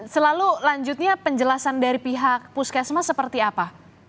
selalu lanjutnya penjelasan dari pihak puskesmas seperti apa